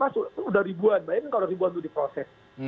sudah ribuan bayangin kalau ribuan itu diproses